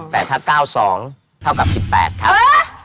แต่ถ้า๙๒เท่ากับ๑๘ครับ